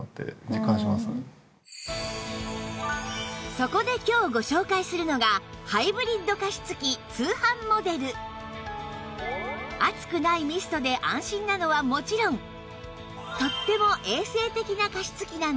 そこで今日ご紹介するのが熱くないミストで安心なのはもちろんとっても衛生的な加湿器なんです